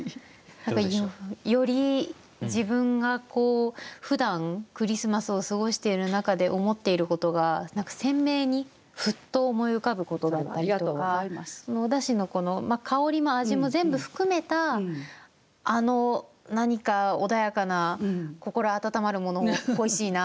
より自分がふだんクリスマスを過ごしている中で思っていることが何か鮮明にふっと思い浮かぶことだったりとかお出汁の香りも味も全部含めたあの何か穏やかな心温まるものも恋しいなっていうのとか。